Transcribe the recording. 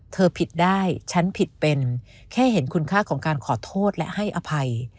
ผิดได้ฉันผิดเป็นแค่เห็นคุณค่าของการขอโทษและให้อภัย